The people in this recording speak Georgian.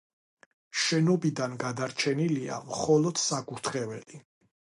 შენობიდან გადარჩენილია მხოლოდ საკურთხეველი.